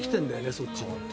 そっちに。